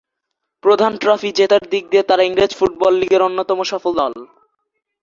প্রধান ট্রফি জেতার দিক দিয়ে তারা ইংরেজ ফুটবল লিগের অন্যতম সফল দল।